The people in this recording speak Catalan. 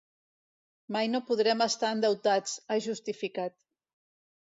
Mai no podrem estar endeutats, ha justificat.